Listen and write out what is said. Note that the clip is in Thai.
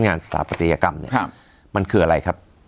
สถาปัตยกรรมเนี่ยมันคืออะไรครับ